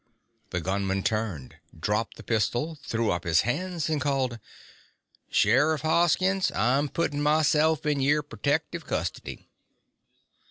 The gunman turned, dropped the pistol, threw up his hands, and called: "Sheriff Hoskins, I'm puttin' myself in yer pertective custody."